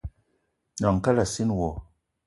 Gnong kalassina wo.